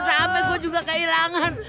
sampe gua juga keilangan